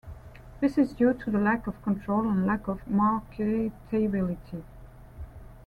This is due to the lack of control and lack of marketability.